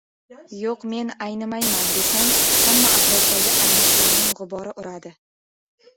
yo‘q men aynimayman, desang ham atrofdagi aynishlarning g‘ubori uradi.